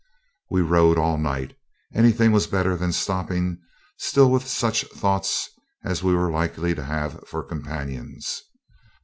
We rode all night. Anything was better than stopping still with such thoughts as we were likely to have for companions.